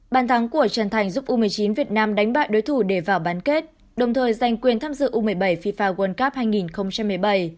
bàn thắng của trần thành giúp u một mươi chín việt nam đánh bại đối thủ để vào bán kết đồng thời giành quyền tham dự u một mươi bảy fifa world cup hai nghìn một mươi bảy